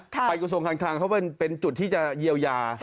กระทรวงการคลังเขาเป็นจุดที่จะเยียวยา